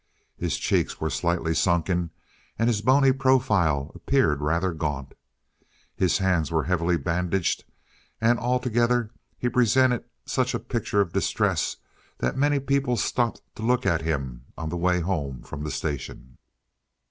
His cheeks were slightly sunken and his bony profile appeared rather gaunt. His hands were heavily bandaged, and altogether he presented such a picture of distress that many stopped to look at him on the way home from the station.